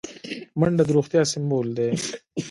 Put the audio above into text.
منډه د روغتیا سمبول دی